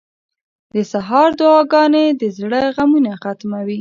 • د سهار دعاګانې د زړه غمونه ختموي.